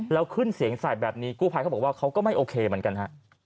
แล้วขึ้นเสียงใส่แบบนี้กู้ภัยเขาบอกว่าเขาก็ไม่โอเคเหมือนกันฮะ